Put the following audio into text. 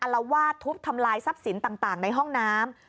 ละวาดทุบทำลายทรัพย์สินต่างในห้องน้ำ